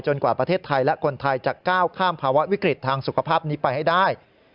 กว่าประเทศไทยและคนไทยจะก้าวข้ามภาวะวิกฤตทางสุขภาพนี้ไปให้ได้